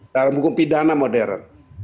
dalam hukum pidana modern